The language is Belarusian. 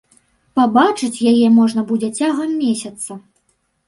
Пабачыць яе можна будзе цягам месяца.